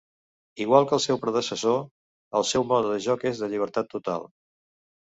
Igual que el seu predecessor, el seu mode de joc és de llibertat total.